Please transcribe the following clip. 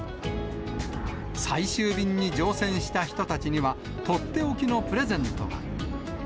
最終便に乗船した人たちには、取って置きのプレゼントが。